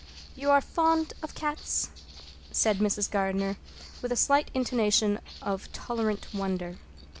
"You are fond of cats?" said Mrs. Gardner, with a slight intonation of tolerant wonder.